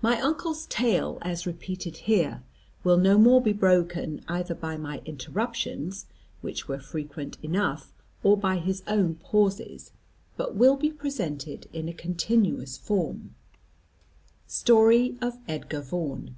My uncle's tale, as repeated here, will no more be broken either by my interruptions, which were frequent enough, or by his own pauses, but will be presented in a continuous form. STORY OF EDGAR VAUGHAN.